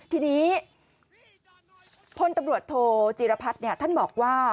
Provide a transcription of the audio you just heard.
ทีนี้พลตำรวจโทจีรพัฒน์ท่านบอกว่า